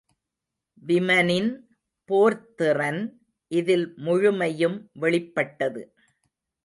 விமனின் போர்த் திறன் இதில் முழுமையும் வெளிப்பட்டது.